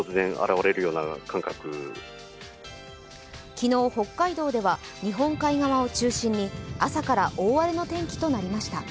昨日、北海道では日本海側を中心に朝から大荒れの天気となりました。